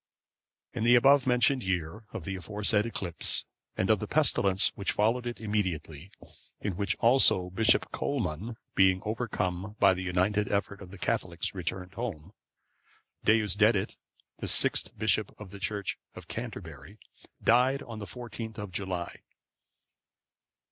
] In the above mentioned year of the aforesaid eclipse(515) and of the pestilence which followed it immediately, in which also Bishop Colman, being overcome by the united effort of the Catholics, returned home,(516) Deusdedit,(517) the sixth bishop of the church of Canterbury, died on the 14th of July.